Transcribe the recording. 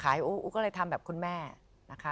ขายให้อุ๊ยอุ๊ยก็เลยทำแบบคุณแม่นะคะ